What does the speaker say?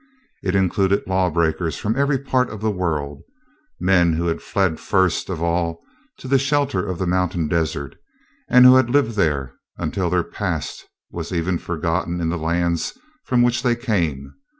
It included lawbreakers from every part of the world, men who had fled first of all to the shelter of the mountain desert and who had lived there until their past was even forgotten in the lands from which they came.